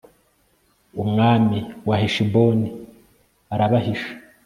umwami wa heshiboni, arabahisha